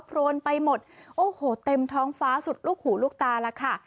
โรนไปหมดโอ้โหเต็มท้องฟ้าสุดลูกหูลูกตาแล้วค่ะ